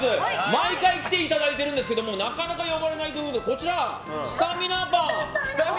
毎回来ていただいていますがなかなか呼ばれないということでスタミナパン。